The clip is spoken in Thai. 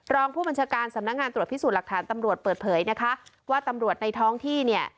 รองผู้บัญชาการสำนักงานตรวจพิสูจน์หลักฐานตำรวจเปิดเผยนะคะว่าตำรวจในท้องที่เนี่ย